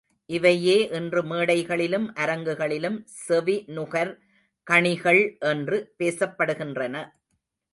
இவையே இன்று மேடைகளிலும் அரங்குகளிலும் செவி நுகர் கணிகள் என்று பேசப்படுகின்றன.